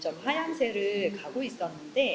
tapi tidak terlihat sesuai